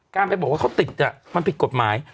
การไปบอกว่าเขาติดมันผิดกฎหมาย